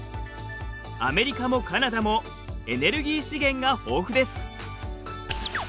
アメリカもカナダもエネルギー資源が豊富です。